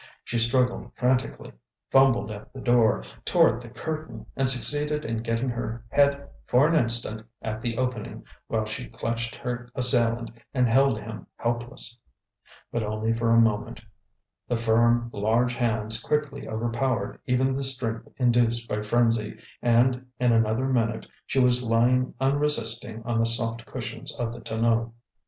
She struggled frantically, fumbled at the door, tore at the curtain, and succeeded in getting her head for an instant at the opening, while she clutched her assailant and held him helpless. But only for a moment. The firm large hands quickly overpowered even the strength induced by frenzy, and in another minute she was lying unresisting on the soft cushions of the tonneau.